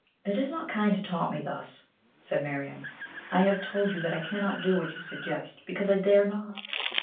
"It is not kind to taunt me thus," said Miriam. "I have told you that I cannot do what you suggest, because I dare not."